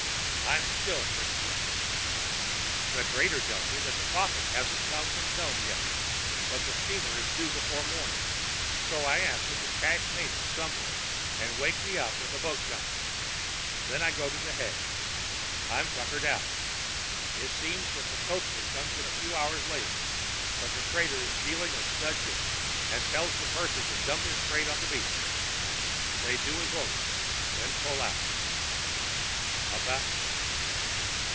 I'm still pretty drunk. "The trader tells me that the coffin hasn't come from Nome yet. But the steamer is due before morning, so I ask him to cache Manard somewhere and wake me up when the boat comes. Then I go to the hay. I'm tuckered out. It seems that the coaster comes in a few hours later, but the trader is dealing a stud game and tells the purser to dump his freight on the beach. They do as ordered, then pull out.